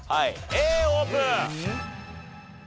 Ａオープン！